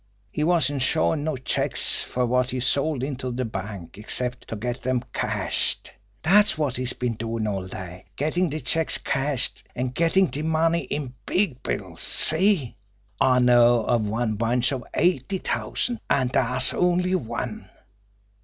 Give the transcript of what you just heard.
He wasn't shovin' no checks fer what he sold into de bank except to get dem cashed. Dat's wot he's been doin' all day gettin' de checks cashed, an' gettin' de money in big bills see! I know of one bunch of eighty t'ousand an' dat's only one!"